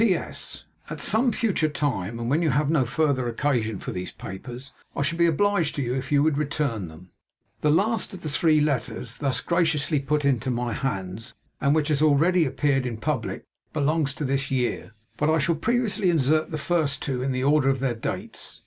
'P.S. At some future time, and when you have no further occasion for these papers, I shall be obliged to you if you would return them.' The last of the three letters thus graciously put into my hands, and which has already appeared in publick, belongs to this year; but I shall previously insert the first two in the order of their dates.